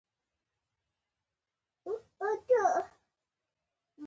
نوم اکثره د صفتونو د جوړولو له پاره کاریږي.